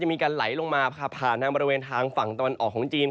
มีการไหลลงมาพาผ่านทางบริเวณทางฝั่งตะวันออกของจีน